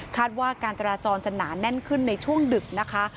ว่าการจราจรจะหนาแน่นขึ้นในช่วงดึกนะคะ